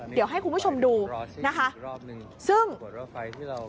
เดี๋ยวให้คุณผู้ชมดูนะคะ